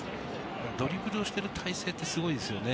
ドリブルをしている体勢がすごいですよね。